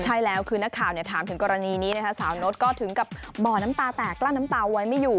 ใช่แล้วคือนักข่าวถามถึงกรณีนี้นะคะสาวโน๊ตก็ถึงกับบ่อน้ำตาแตกกลั้นน้ำตาไว้ไม่อยู่